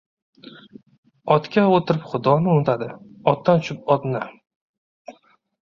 • Otga o‘tirib Xudoni unutadi, otdan tushib ― otni.